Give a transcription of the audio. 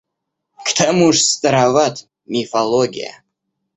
К тому ж староват — мифология.